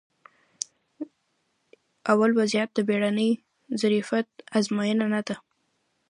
ا وضعیت د بیړني ظرفیت ازموینه نه ده